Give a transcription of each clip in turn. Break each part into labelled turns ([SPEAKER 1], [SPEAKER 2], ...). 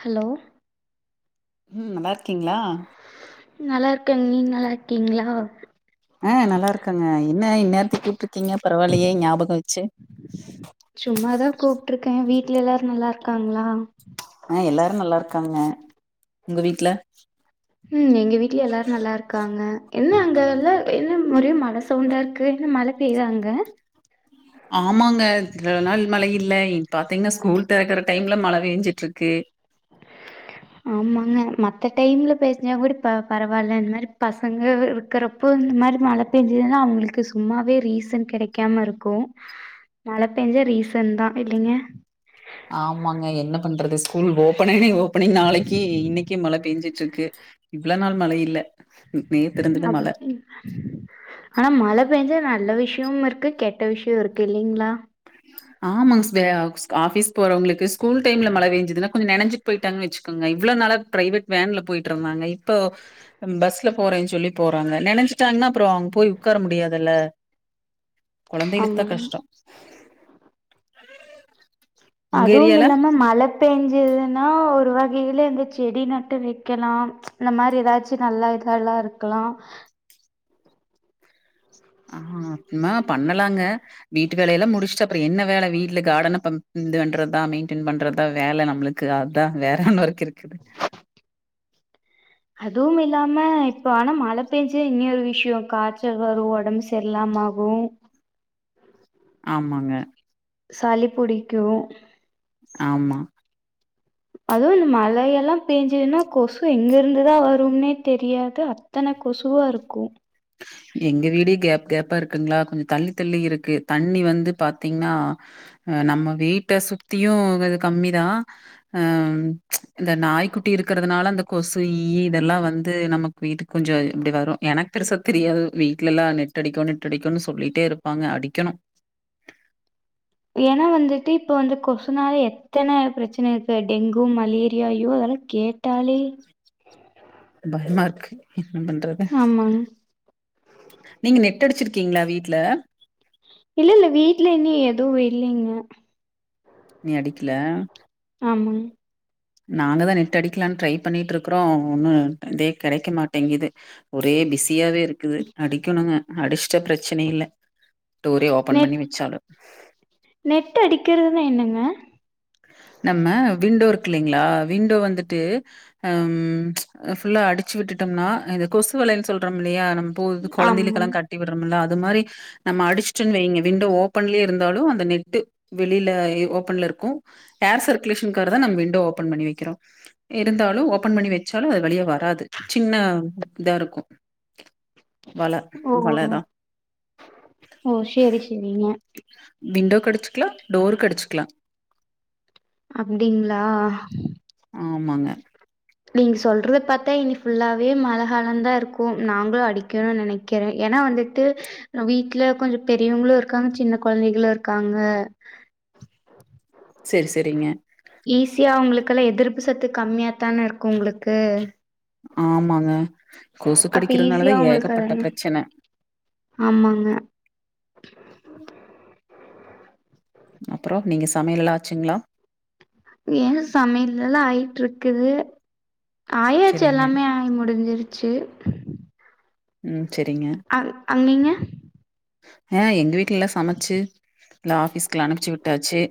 [SPEAKER 1] Hello
[SPEAKER 2] ம் நல்லார்க்கீங்ளா
[SPEAKER 1] நல்லார்க்க நீங் நல்லார்க்கீங்ளா
[SPEAKER 2] அ நல்லா இருக்கங்க என்ன இந்நேர்த்துக் கூப்ட்ருக்கீங்க பரவால்லயே ஞ்யாபகோ வெச்சு
[SPEAKER 1] சும்மாதா கூப்ட்ருக்க வீட்ல எல்லா இருக்காங்ளா
[SPEAKER 2] அ எல்லாரு நல்லா இருக்காங்க உங்க வீட்ல
[SPEAKER 1] ம் எங்க வீட்லயு எல்லாரு நல்லா இருக்காங்க என்ன அங்க எல்லா என்ன ஒரே ம ழ சவுண்டா இருக்கு என்ன மழ பெய்தா அங்க
[SPEAKER 2] ஆமாங்க [unintelligible] நாள் மழையில் இல்ல இப் பாத்தீங்கனா ஸ்கூல் தெறக்குற டைம்ல மழ பெய்ஞ்சுட்டுருக்கு
[SPEAKER 1] ஆமாங்க மத்த டைம்ல பேஸ்னா கூட ப பரவால்ல இந்த மாரி பசங்க இருக்குறப்போ இந்த மாரி மழ பெஞ்சுதுனா அவுங்களுக்கு சும்மாவே ரீசன் கெடைக்காம இருக்கூ மழ பெஞ்சா ரீசன்தா இல்லைங்க
[SPEAKER 2] ஆமாங்க என்ன பண்றது ஸ்கூல் ஓப்பனாயி ஓப்பனிங் நாளக்கி இன்னைக்கே மழ பேஞ்சிட்ருக்கு இவ்ள நாள் மழை இல்ல நேத்து இருந்தது
[SPEAKER 1] அப்
[SPEAKER 2] மழ
[SPEAKER 1] ஆனா மழ பெஞ்சா நல்ல விஷ் யம் இருக்கு கெட்ட விஷயோ இருக்கு இல்லைங்ளா
[SPEAKER 2] ஆமாங்க [unintelligible] ஆபிஸ் போறவுங்களுக்கு ஸ்கூல் டைம்ல மழ பெஞ்சதுன்னா கொஞ்சோ நனஞ்சிட்டு போய்ட்டாங்கன்னு வச்சுக்கங்க இவ்ள நாளா ப்ரைவெட் வேன்ல போய்ட்ருந்தாங்க இப்போ பஸ்ல போறேன் சொல்லி போறாங்க நனஞ்சா டான்னா அப்றோ அங்க போய் உக்கார முடியாதுல்ல கொழந்தைகளுக்கு தா
[SPEAKER 1] ஆமாங்க
[SPEAKER 2] கஷ்டோ
[SPEAKER 1] அதுவும் இல்லாம மழ பேஞ்சதுன்னா ஒரு வகையில இந்த செடி நட்டு வைக்கலாம் இந்த மாரி ஏதாச்சு நல்ல கல்லா இருக்கலாம்
[SPEAKER 2] ஆ அ மா பண்ணலாங்க வீட்டு வேலையெல்லா முடிச்சுட்டு அப்றோ என்ன வேலை வீட்டுல கார்டனப்ப ம் இது பண்றதா மெய்ன்டென் பண்றதா வேல நம்மளுக்கு அதா வேற என்ன வொர்க்கு இருக்கு
[SPEAKER 1] அதுவும் இல்லாம இப்ப ஆனா மழ பெஞ்சா இன்னியொரு விஷயோ காச்சல் வரு ஒடம்பு சரியில்லாம ஆகு உ
[SPEAKER 2] ஆமாங்க
[SPEAKER 1] சளி புடிக்கூ
[SPEAKER 2] ஆமா
[SPEAKER 1] அதுவு இந்த மழை எல்லா பெஞ்சுதுன்னா கொசு எங்க இருந்துதா வரும்னே தெரியாது அத்தன கொசுவா இருக்கூ
[SPEAKER 2] எங்க வீடே கேப் கேப்பா இருக்குங்களா கொஞ்சோ தள்ளி தள்ளி இருக்கு தண்ணி வந்து பாத்தீங்னா அ நம்ம வீட்ட சுத்தியு இது கம்மிதா அ இந்த நாய்க்கு குட்டி இருக்குறதுனால அந்த கொசு ஈ இதெல்லா வந்து நமக்கு வீட்டுக்கு கொஞ்சோ இப்டி வரு எனக் பெருசா தெரியாது வீட்லெல்லா நெட்டு அடிக்கு நெட்டு அடிக்குனு சொல்லிட்டே இருப்பாங்க அடிக்கணு
[SPEAKER 1] ஏன்னா வந்துட்டு இப்ப வந்து கொசுனால எத்தன பிரச்சன இருக்கு டெங்கு மலேரியா ஐய்யோ அதெல் அத கேட்டாலே
[SPEAKER 2] பயமா இருக்கு என்ன பண்றது
[SPEAKER 1] ஆமாங்க
[SPEAKER 2] நீங்க நெட் அடிச்சுருக்கீங்களா வீட்ல
[SPEAKER 1] இல்ல இல்ல வீட்டுல இன்னு எதுவு இல்லைங்க
[SPEAKER 2] நீ அடிக்கல
[SPEAKER 1] ஆமாங்
[SPEAKER 2] நாங்கதா நெட்டு அடிக்கலான்னு ட்ரை பண்ணிட்டு இருக்குறோ ஒன்னூ இதே கெடக்க மாட்டேங்கிது ஒரே பிஸியாவே இருக்குது அடிக்கணுங்க அடிச்ட்ட ப்ரச்சன இல்ல டோரே ஓபன் பண்ணி
[SPEAKER 1] நெட்
[SPEAKER 2] வச்சாலு
[SPEAKER 1] ப்னா என்னங்க
[SPEAKER 2] நம்ம விண்டோ இருக்கு இல்லைங்களா விண்டோ வந்துட்டு அம் ஃபுல்லா அடிச்சு விட்டுட் டம்னா இந்த கொசு வலைனு சொல்றோம் இல்லையா நம் ப்போ வந்து
[SPEAKER 1] ஆமாங்
[SPEAKER 2] கொழந்தைகளுக்கெல்லா கட்டி விடுறோம்ல அது மாரி நம்ம அடுச்சுட்டோன்னு வைங்க விண்டோ ஓப்பன்லே இருந்தாலு அந் அந்த நெட்டு வெளியில ஓபன்ல இருக்கூ ஏர் சர்க்குலேஷன் கார தான் நம் விண்டோ ஓபன் பண்ணி வைக்கிறோம் இருந்தாலும் ஓபன் பண்ணி வைக்க ச்சாலும் அது வழியே வராது சின்ன இதா இருக்கும்
[SPEAKER 1] ஓ ஓ செரி செரிங்க
[SPEAKER 2] விண்டோ கிடைச்சுக்கலாம் டோர் கிடிச்சக்கலாம்
[SPEAKER 1] அப்படிங்களா
[SPEAKER 2] ஆமாங்க
[SPEAKER 1] நீங்க சொல்றத பார்த்தா இனி ஃபுல்லாவே மழைகாலம் தான் இருக்கும் நாங்களும் அடிக்கணும் நினைக்கிறேன் ஏன்னா வந்துட்டு வீட்டுல கொஞ்சம் பெரியவங்களும் இருக்காங்க சின்ன கொழந்தைகளும் இருக்காங்க
[SPEAKER 2] செரி செரிங்க
[SPEAKER 1] ஈஸியா உங்களுக்கெல்லாம் எதிர்ப்பு சத்து கம்மியாத்தானே இருக்கும் உங்களுக்கு
[SPEAKER 2] ஆமாங்க கொசு
[SPEAKER 1] அப்ப ஈஸியா
[SPEAKER 2] கடிக்கிறதுனாலதான்
[SPEAKER 1] உங்களுக்கு
[SPEAKER 2] ஏகப்பட்ட
[SPEAKER 1] அதெல்லா
[SPEAKER 2] பிரச்சனை
[SPEAKER 1] ஆமாங்க
[SPEAKER 2] உம் அப்புறம் நீங்க சமையல்லா ஆச்சுங்களா
[SPEAKER 1] ஏன் சமையல்லாம் ஆயிட்டு இருக்குது ஆயாச்சு
[SPEAKER 2] செரிங்க
[SPEAKER 1] எல்லாமே ஆகி முடிஞ்சிருச்சு
[SPEAKER 2] உம்
[SPEAKER 1] அ அ நீங்க
[SPEAKER 2] ஆஹ் எங்க வீட்டுல எல்லாம் சமைச்சு இல்ல ஆபீஸ்க்கல்லாம் அனுப்பிச்சு விட்டாச்சு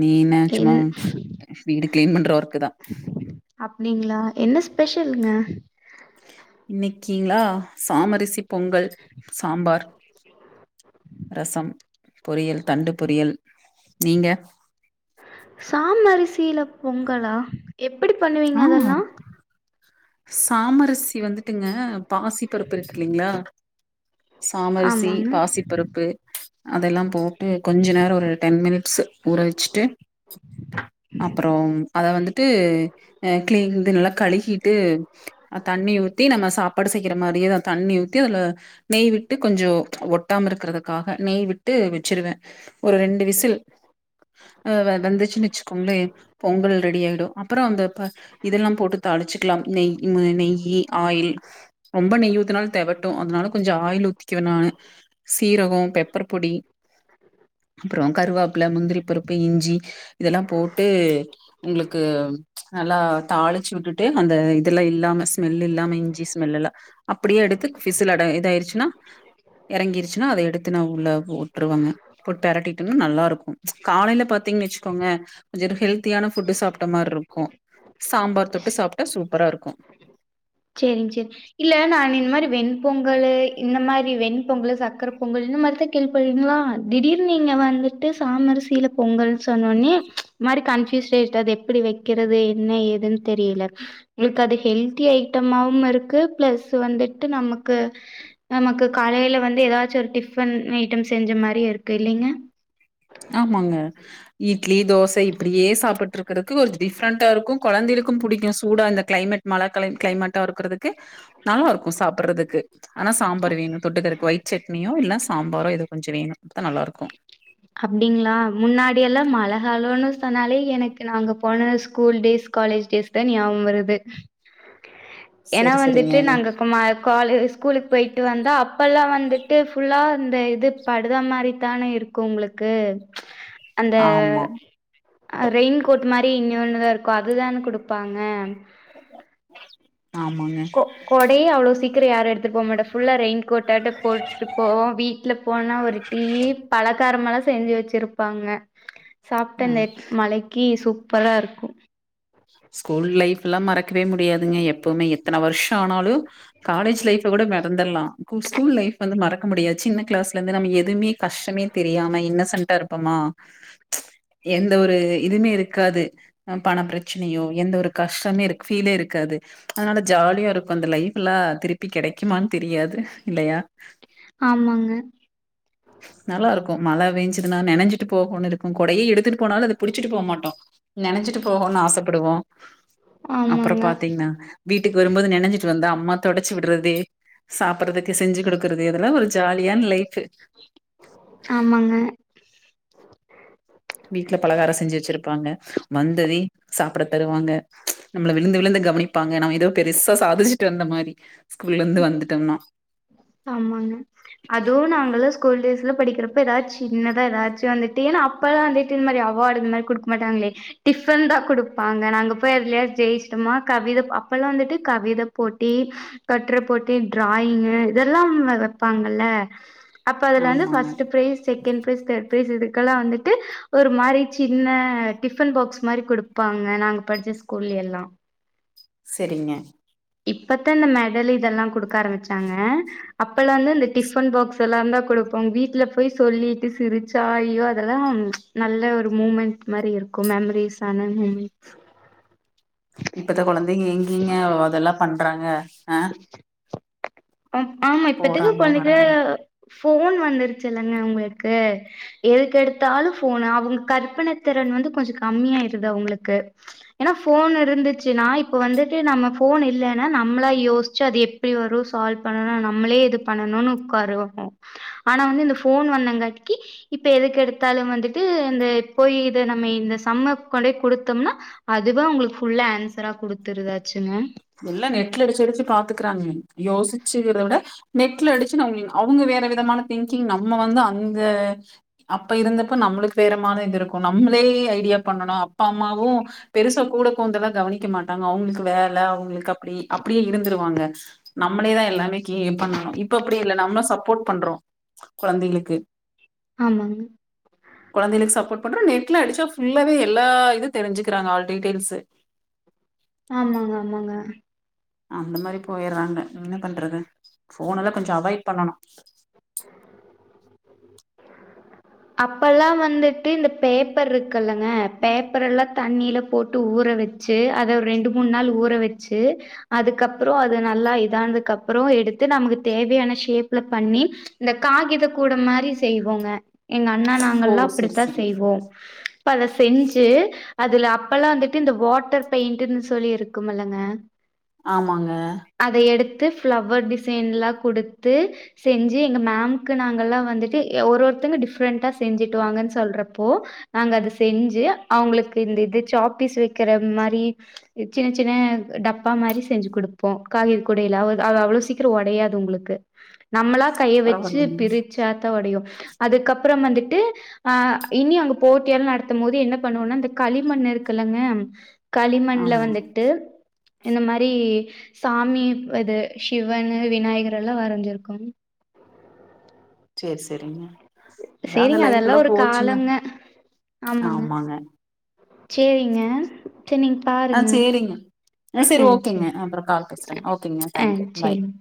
[SPEAKER 2] நீ என்ன சும்மா
[SPEAKER 1] என்
[SPEAKER 2] வீடு கிளீன் பண்ற ஒர்கக்குதான்
[SPEAKER 1] அப்டிங்களா என்ன ஸ்பெஷலுங்க
[SPEAKER 2] இன்னைக்கீங்களா சாமரிசி பொங்கல் சாம்பார் ரசம் பொரியல் தண்டு பொரியல் நீங்க
[SPEAKER 1] சாமரிசீல பொங்கலா எ
[SPEAKER 2] ஆ சாமரிசி வந்துட்டு ட்டுங்க பாசி பருப்பு இருக்கு இல்லலைங்களா சாமரிசி
[SPEAKER 1] ஆமாங்க
[SPEAKER 2] பாசிப்பருப்பு அதெல்லாம் போட்டு கொஞ்ச நேரம் ஒரு டென் மினிட்ஸ் ஊற வச்சுட்டு அப்புறம் அத வந்துட்டு கிளி இது நல்லா கழுகிட்டு தண்ணி ஊத்தி நம்ம சாப்பாடு செய்கிற மாதிரியே அத தண்ணி ஊத்தி அல நெய் விட்டு கொஞ்சம் ஒட்டாம இருக்கிறதுக்காக நெய் விட்டு வச்சிருவேன் ஒரு ரெண்டு விசில் வந்துச்சுன்னு வச்சுக்கோங்களே பொங்கல் ரெடி ஆயிடும் அப்புறம் அந்த இதெல்லாம் போட்டு தாளிச்சுக்கலாம் நெய் நெய்யி ஆயில் ரொம்ப நெய்யி ஊதுனாலு தேவட்டும் அதனால கொஞ்ச ஆயில் ஊத்திக்குவே நானு சீரகம் பெப்பர் பொடி அப்புறம் கருவேப்பில முந்திரி பருப்பு இஞ்சி இதெல்லாம் போட்டு உங்களுக்கு நல்லா தாளிச்சு விட்டுட்டு அந்த இதெல்லாம் இல்லாம ஸ்மெல் இல்லாம இஞ்சி ஸ்மெல் எல்லா அப்பிடியே எடுத்து ஃபிஷ்ஷுல அட இதாயிருச்சுனா எறங்கிருச்சுன்னா அத எடுத்து நான் உள்ள ஓட்டுருவாங்க போட்டு பெரட்டிட்டுன்னோ நல்லா இருக்கும் காலையில பாத்தீங்கன்னு வச்சுக்கோங்க கொஞ்சம் ஹெல்த்தியான ஃபுட்டு சாப்பிட்ட மாதிரி இருக்கும் சாம்பார் தொட்டு சாப்பிட்டா சூப்பரா இருக்கும்
[SPEAKER 1] சேரிங் சேரி இல்ல நான் இந்த மாதிரி வெண்பொங்கலு இந்த மாதிரி வெண்பொங்கலு சர்க்கரப் பொங்கல் இந்த மாரித்தா கேள்வி பட்டேங்களா திடீர்னு நீங்க வந்துட்டு சாமரிசியல பொங்கல்னு சொன்னோனி நா கன்ஃப்யூஸ்ட் ஆயிடுசு அது எப்பிடி வக்கிறது என்ன ஏதுன்னு தெரியல உங்களுக்கு அது ஹெல்தியா ஐட்டமாவும் இருக்கு பிளஸ் வந்துட்டு நம்மக்கு நமக்கு காலையில வந்து ஏதாச்சும் ஒரு டிஃப் ஃபன் ஐட்டம் செஞ்ச மாதிரியு இருக்கு இல்லலைங்க
[SPEAKER 2] ஆமாங்க இட்லி தோசை இப்பிடியே சாப்பிட்டுட் இருக்கிறதுக்கு கொஞ்சம் டிஃப்ரெண்டா இருக்கும் கொழந்தைகள் ளுக்கும் பிடிக்கும் சூடா அந்த க்ளைமேட் மழ க்ள க்ளைமேட்டா இருக்கிறதுக்கு நல்லா இருக்கும் சாப்பிடறதுக்கு ஆனா சாம்பார் வேணும் தொட்டுக்கருக்கு ஒயிட் சட்னியோ இல்லன்னா சாம்பாரோ ஏதோ கொஞ்ச வேணும் நல்லா இருக்கும்
[SPEAKER 1] அப்பிடிங்களா முன்னாடி எல்லாம் மழைகாலன்னு சொன்னாலே எனக்கு நாங்க போன ஸ்கூல் டேஸ் கா காலேஜ் டேஸ் தான் ஞாபம் வருது ஏன்னா
[SPEAKER 2] செரி செரிங்க.
[SPEAKER 1] வந்துட்டு நாங்க கும்மால் காலு ஸ்கூலுக்கு போயிட்டு வந்தா அப்பல்லாம் வந்து ட்டு ஃபுல்லா இந்த இது படுதா மாரி தான இருக்கும் ஓங்களுக்கு அந்த
[SPEAKER 2] ஆமா.
[SPEAKER 1] அ ரெயின் கோட் மாதிரி இனியொன்னுதான் இருக்கும் அதுதான குடுப்பாங்க
[SPEAKER 2] ஆமாங்க.
[SPEAKER 1] கோ கொடையு அவ்ளோ சீக் கிர யாரும் எடுத்துட் போ மாட்டோம் ஃபுல்லா ரெயின்கோட் ஆட்டோ போட்டுப்போவோம் வீட்ல போனா ஒரு டீ பழ க்காரமல்லாம் செஞ்சு வச்சிருப்பாங்க சாப்ட்டா
[SPEAKER 2] அ
[SPEAKER 1] அந்த மழைக்கு சூப்பரா இருக்கும்
[SPEAKER 2] ஸ்கூல் லைஃப்லா மறக்கவே முடியாதுங்க எப்பவுமே எத்தன வருஷொ ஆனாலு காலேஜ் லைஃப் விட மறந்தல்லா கூ ஸ்கூல் லைஃப் வந்து மறக்க முடியாது சின்ன கிளாஸ்ல இருந்து நம்ம எதுவுமே கஷ்டமே தெரியாம இன்ன சன்ட்டா இருப்பமா எந்த ஒரு இதுமே இருக்காது அ பணப்ரெ ச்சனையோ எந்த ஒரு கஷ்டமே ஃபீலே இருக்காது அதனால ஜாலியா இருக்கும் அந்த லைஃப் எல்லா திருப்பி கெடை டைக்குமான்னு தெரியாது இல்லையா
[SPEAKER 1] ஆமாங்க
[SPEAKER 2] நல்லா இருக்கும் மழை வெய்ஞ்சுதுன்னா நனஞ்சிட்டு போகுன்னு இருக்கும் கொடையே எடுத்துட்டு போனாலும் அதப் புடிச்சிட்டு போ மாட்டோம் நனைஞ்சிட்டு போகும்னு ஆசப்படுவோ
[SPEAKER 1] உஹ்
[SPEAKER 2] அப்புறொ பாத்தீங்கன்னா வீட்டுக்கு வரும்போது நெனஞ்சிட்டு வந்தா அம்மா தொடச்சி விட்றது சாப்ட்றதுக்கு செஞ்சு குடுக் கறது இதெல்லா ஒரு ஜாலியான லைஃபு
[SPEAKER 1] ஆமாங்க
[SPEAKER 2] வந்தது சாப்டத் தருவாங்க நம்மள விழுந்து விழுந்து கவனிப்பாங்க நம்ம ஏதோ பெருசா சாதிச்சு ட்டு வந்த மாரி ஸ்கூல்ல இருந்து வந்துட்டோம்னா
[SPEAKER 1] ஆமாங்க அதுவு நாங்கல்லா ஸ்கூல் டேஸ் ல படிக்கிறப்போ ஏதாச் சின்னதா ஏதாச்சும் வந்துட்டு எனா அப்பெல்லா வந்துட்டு இந்ந இது மாரி அவார்டு இந் மாரி குடுக்க மாட்டாங்களே டிஃபன் தான் குடுப்பாங்க நாங்க போய் எதுலயா ஜெயிச்சுட்டோம்னா கவித அப்போல்லா வந்துட்டு கவிதப் போட்டி கட்டுர போட்டி ட்ராயிங் [unintelligible] இதெல்லா வ வப்பாங்கல்ல அப்ப அதுல வந்து
[SPEAKER 2] ஆமாங்க
[SPEAKER 1] first prize second prize third prize இதுக்கெல்லா வந்துட்டு ஒரு மாரி சின்ன டிஃபன் பாக்ஸ் மாரி குடுப்பாங்க நாங்க படிச்ச ஸ்கூல்ல எல்லா
[SPEAKER 2] செரிங்க
[SPEAKER 1] இப்பத்தான் இந்த மெடல் இதெல்லா கொடுக்க ஆரம்பிச்சாங்க அப்பல்லா வந்து இந்த டிஃபன் பாக்ஸ் எல்லாம்ந்தா கொடுப்போங்க வீட்ல போய் சொல்லிட்டு சிரிச்சா அய்யோ அதெல்லாம் நல்ல ஒரு மூமெண் மேரி இருக்கும் மெமரிஸான மூமெண்ட்ஸ்
[SPEAKER 2] இப்பத்த குழந்தைங்க எங்கீங்க அதெல்லாம் பண்றாங்க ஆ
[SPEAKER 1] ப ஆமா இப்பத்துக்கு
[SPEAKER 2] போறாங்க
[SPEAKER 1] குழந்தைக
[SPEAKER 2] வர்றாங்க
[SPEAKER 1] ஃபோன் வந்துருச்சல்லங்க அவங்களுக்கு எதுக்கு எடுத்தாலும் போன் அவங்க கற்பனை திற ன் வந்து கொஞ்சொ கம்மியா இருது அவங்களுக்கு ஏன்னா ஃபோன் இருந்துச்சுன்னா இப்ப வந்துட்டு நம்ம ஃபோன் இல்லனா நம்மளா யோசிச்சு அது எப்படி வரும் சால்வ் பண்ணும் நம்மளே இது பண்ணணும்னு உக்கருவோ ஆனா வந்து இந்த ஃபோன் வந்தங்காட்டிக்கு இப்ப எதுக்கு எடுத்தாலும் வந்துட்டு இந்த போய் இதை நம்ம இந்த சம்ம கொண்டே கொடுத்தோம்னா அது வா ஒங்களுக்கு ஃபுல்லா ஆன்சரா குடுத்துருதாச்சுங்க
[SPEAKER 2] எல்லா நெட்ல அடிச்சு அடிச்சு பா த்துக்கிறாங்க யோசிச்சுத இத வுட நெட்ல அடிச்சு அவுங் அவுங்க வேற விதமான திங்கிங் நம்ம வந்து அந்த அப்ப இருந்தப்ப நம்மளுக்கு பேரமான இருந்துருக்கும் நம்மளே ஐடியா பண்ணணும் அப்பா அம்மா வும் பெருசா கூட கொந்தெல்லா கவனிக்க மா தாங்க அவங்களுக்கு வேல அவங்களுக்கு அப்டி அப்டி இருந்துருவாங்க நம்மளேதா எல்லாமே கீ பண்ணணு இப்ப அப்படி இல்ல நம்ம சப்போர்ட் பண்றோ கொழந்தைகளுக்கு
[SPEAKER 1] ஆமாங்க
[SPEAKER 2] கொழந்தைகளுக்கு சப்போர்ட் பண்ற நெட் ட்ல அடிச்சா ஃபுல்லாவே எல்லா இது தெரிஞ்சுக்கிறாங்க ஆள் டீடெயில்ஸ்
[SPEAKER 1] ஆமாங்க ஆமாங்க
[SPEAKER 2] அந்த மாரி போயடுறாங்க என்ன பண்றது போனல்லா கொஞ்ச அவாய்ட் பண்ணணு
[SPEAKER 1] அப்பல்லா வந்துட்டு இந்த பேப்பர் இருக்குல்லங்க பேப்பர எல்லா தண்ணில போட்டு ஊற வச்சு அத ஒரு ரெண்டு மூணு நாள் ஊற வச்சு அதுக்கப்புற அது நல்லா இதானதுக்கு அப்புற எடுத்து நமக்கு தேவையான ஷேப்ல பண்ணி இந்த காகித கூட மாரி செய்வோங்க எங்க அண்ணா
[SPEAKER 2] ஓ
[SPEAKER 1] நாங்கள்ல்லா
[SPEAKER 2] செரி
[SPEAKER 1] அப்படித்தா
[SPEAKER 2] செரி
[SPEAKER 1] செய்வோ இப்ப அத செஞ்சு அதுல அப்பெல்லா வந்துட்டு இந்த வாட்டர் பெயிண்ட்டுன்னு சொல்லி இருக்கும்ல்லங்க
[SPEAKER 2] ஆமாங்க
[SPEAKER 1] பிளவர் டிசைன் எல்லாம் கொடுத்து செஞ்சு எங்க மேம்க்கு நாங்க எல்லா வந்துட்டு ஒரு ஒருத்த டிஃப் ஃப்ரண்டா செஞ்சிட்டு வாங்கனு சொல்றப்போ நாங்க அத செஞ்சு அவங்களுக்கு இந்த இது சாக் பிஸ் வைக் க்கிற மாரி சின்ன சின்ன டப்பா மாரி செஞ்சு குடுப்போ காகித குடைல அவ அவ்ள சீக்கிர ஒடையாது உங்களுக்கு நம்மளா கைய வச்சு
[SPEAKER 2] பரவாயில்லைங்க
[SPEAKER 1] பிரிச்சாத்தா ஒடையு அதுக்கப் பறம் வந்துட்டு ஆ இனி அங்க போட்டியால நடத்தும் போது என்ன பண்ணுவோனா அந்த களிமண்ணு இருக்குல்லங்க களிமண்ல
[SPEAKER 2] ஆமா
[SPEAKER 1] வந்துட்டு இந்த மாரி சாமி இது சிவனு விநாயகர் எல்லா வரைஞ்சிருக்கு
[SPEAKER 2] சேரி சேரிங்க
[SPEAKER 1] சேரிங்க அதெல்லா ஒரு காலங்க ஆமாங்க சேரிங்க சேரி நீங்க
[SPEAKER 2] ஆ
[SPEAKER 1] பாருங்க
[SPEAKER 2] செரிங்க செரி
[SPEAKER 1] ஆ
[SPEAKER 2] ஓகேங்க
[SPEAKER 1] சேரி
[SPEAKER 2] அப்புறம் கால் பேசுறேங்க ஓகேங்க
[SPEAKER 1] ஆ
[SPEAKER 2] தேங்க்யூ பை
[SPEAKER 1] சேரி ம்